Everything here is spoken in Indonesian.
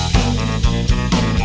nunggu akang di surga